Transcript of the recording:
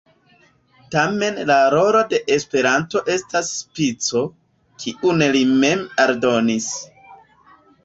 Tamen la rolo de Esperanto estas spico, kiun li mem aldonis.